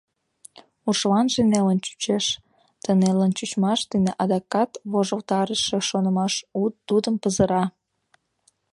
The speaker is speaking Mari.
Ушланже нелын чучеш, ты нелын чучмаш дене адакат вожылтарыше шонымаш тудым пызыра.